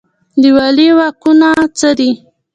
د والي واکونه څه دي؟